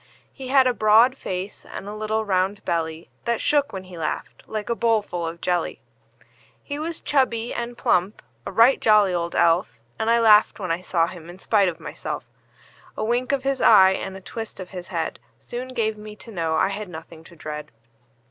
He had a broad face, and a little round belly That shook when he laughed, like a bowl full of jelly. He was chubby and plump a right jolly old elf; And I laughed when I saw him in spite of myself. A wink of his eye, and a twist of his head, Soon gave me to know I had nothing to dread.